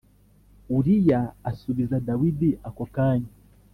Uriya asubiza Dawidi akokanya